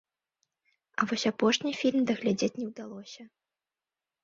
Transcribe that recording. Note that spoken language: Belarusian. А вось апошні фільм даглядзець не ўдалося.